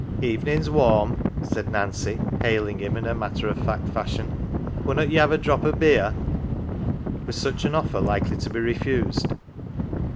"Evenins warm," said Nancy, hailing him in her matter of fact fashion. "Wunnot ye have a drop o' beer ?" Was such' an offer likely to be refused